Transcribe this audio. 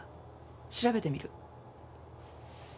調べてみる。